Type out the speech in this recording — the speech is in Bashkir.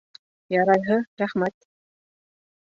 Ярайһы, рәхмәт!